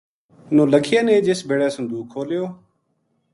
نولکھیا نے جس بِڑے صندوق کھولیو